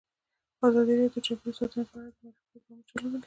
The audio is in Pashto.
ازادي راډیو د چاپیریال ساتنه په اړه د معارفې پروګرامونه چلولي.